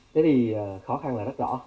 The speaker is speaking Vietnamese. thế thì khó khăn là rất rõ